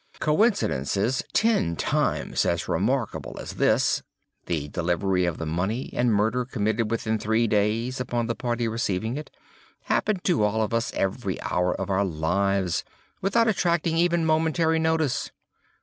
Coincidences ten times as remarkable as this (the delivery of the money, and murder committed within three days upon the party receiving it), happen to all of us every hour of our lives, without attracting even momentary notice.